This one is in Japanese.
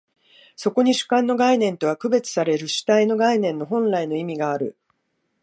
そこに主観の概念とは区別される主体の概念の本来の意味がある。